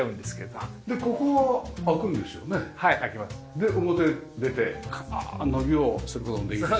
で表出て伸びをする事もできるし。